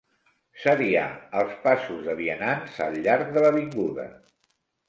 Seriar els passos de vianants al llarg de l'avinguda.